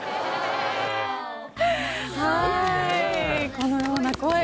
このような声が。